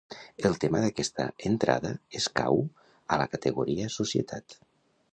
El tema d'aquesta entrada escau a la categoria Societat.